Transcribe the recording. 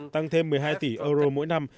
tăng thêm một mươi hai tỷ euro mỗi năm